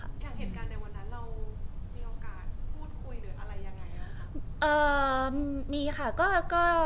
อย่างเหตุการณ์ในวันนั้นเรามีโอกาสพูดคุยหรืออะไรยังไงเอ่อมีค่ะก็ก็